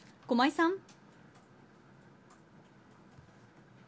駒井さん。